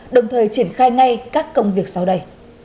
đồng thời triển khai ngay các công việc sau đây